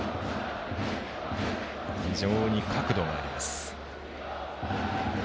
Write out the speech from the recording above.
非常に角度があります。